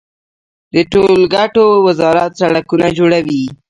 د ټولګټو وزارت سړکونه جوړوي